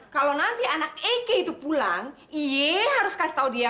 kalau nanti anak eke itu pulang ia harus kasih tahu dia